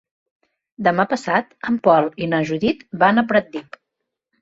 Demà passat en Pol i na Judit van a Pratdip.